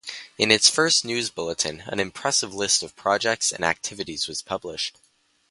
In its first news bulletin, an impressive list of projects and activities was published.